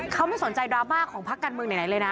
เขาไม่สนใจดราม่าของพักการเมืองไหนเลยนะ